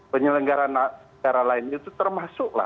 penyelenggaraan negara lain itu termasuk